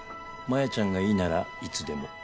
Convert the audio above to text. マヤちゃんがいいならいつでも。